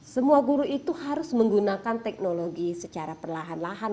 semua guru itu harus menggunakan teknologi secara perlahan lahan